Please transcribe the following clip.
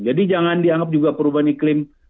jadi jangan dianggap juga perubahan iklim